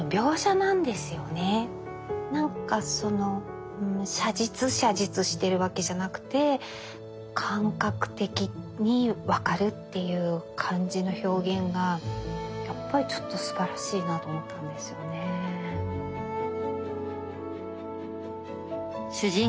なんかその写実写実しているわけじゃなくて感覚的にわかるっていう感じの表現がやっぱりちょっとすばらしいなと思ったんですよね。